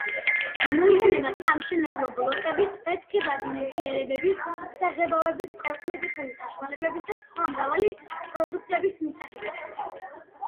გამოიყენება სამშენებლო ბლოკების, ფეთქებადი ნივთიერებების, საღებავების, კოსმეტიკური საშუალებების და სხვა მრავალი პროდუქტის მისაღებად.